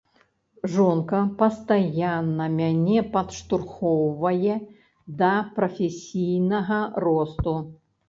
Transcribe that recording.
Жонка пастаянна мяне падштурхоўвае да прафесійнага росту.